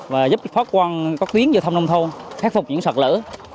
và giúp phát quan có tuyến vào thăm nông thôn khép phục những sợt lỡ